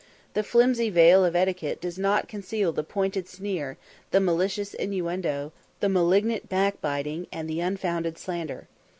The flimsy veil of etiquette does not conceal the pointed sneer, the malicious innuendo, the malignant backbiting, and the unfounded slander.